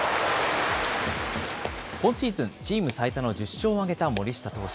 今シーズン、チーム最多の１０勝を挙げた森下投手。